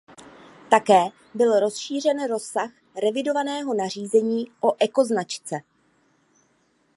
Také byl rozšířen rozsah revidovaného nařízení o ekoznačce.